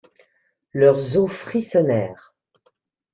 Leurs os frissonnèrent.